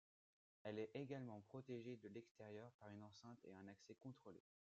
Elle est également protégée de l'extérieur par une enceinte et un accès contrôlé.